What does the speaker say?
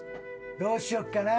どうしよっかな？